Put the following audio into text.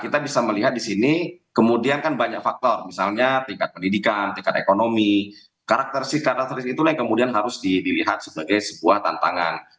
kita bisa melihat di sini kemudian kan banyak faktor misalnya tingkat pendidikan tingkat ekonomi karakteris itulah yang kemudian harus dilihat sebagai sebuah tantangan